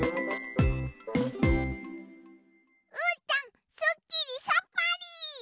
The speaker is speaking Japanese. うーたんすっきりさっぱり！